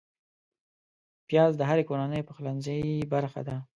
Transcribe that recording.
پیاز د هرې کورنۍ پخلنځي برخه ده